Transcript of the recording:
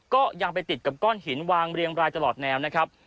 ก็ยังไปติดกับก้อนหินวางเรียงรายตลอดแนวนะครับ